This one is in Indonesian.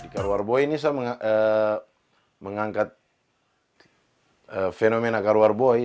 karwar boy ini mengangkat fenomena karwar boy